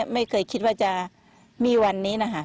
ไม่เคยคิดว่าจะมีวันนี้นะคะ